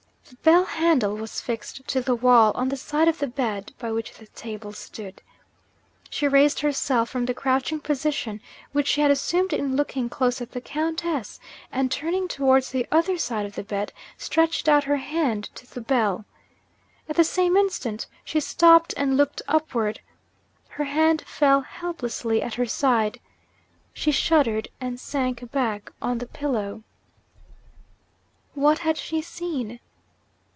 The bell handle was fixed to the wall, on the side of the bed by which the table stood. She raised herself from the crouching position which she had assumed in looking close at the Countess; and, turning towards the other side of the bed, stretched out her hand to the bell. At the same instant, she stopped and looked upward. Her hand fell helplessly at her side. She shuddered, and sank back on the pillow. What had she seen?